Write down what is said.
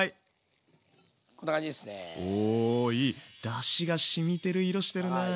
だしがしみてる色してるなあ。